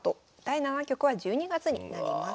第７局は１２月になります。